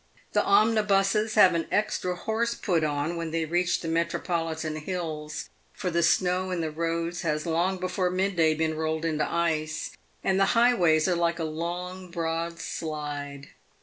The omnibuses have an extra horse put on when they reach the metropolitan hills, for the snow in the roads has long before mid day been rolled into ice, and the highways are like a long, broad slide.